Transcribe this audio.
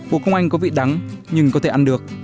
bộ công anh có vị đắng nhưng có thể ăn được